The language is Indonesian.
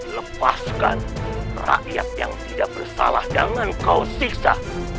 lepaskan rakyat yang tidak bersalah jangan kau siksa